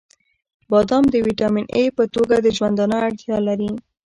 • بادام د ویټامین ای په توګه د ژوندانه اړتیا لري.